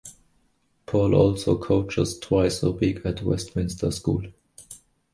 Paul also coaches twice a week at Westminster School.